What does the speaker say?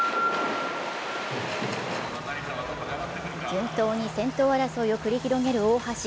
順当に先頭争いを繰り広げる大橋。